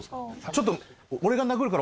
ちょっと。